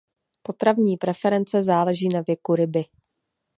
Potravní preference záleží na věku ryby.